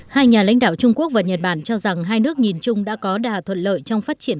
hai nhà lãnh đạo trung quốc và nhật bản cho rằng hai nước nhìn chung đã có đà thuận lợi trong phát triển